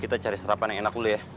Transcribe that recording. kita cari serapan yang enak dulu ya